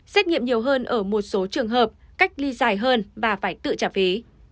xét nghiệm nhiều hơn ở một số trường hợp cách ly dài hơn và phải tự trả phí